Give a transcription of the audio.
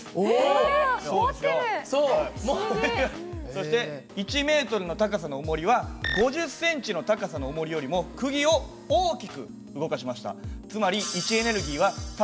そして１ｍの高さのおもりは５０センチの高さのおもりよりもくぎを大きく動かしました。